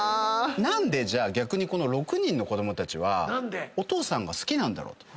何で逆にこの６人の子供たちはお父さんが好きなんだろうと。